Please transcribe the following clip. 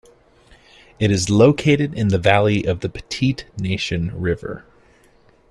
It is located in the valley of the Petite-Nation River.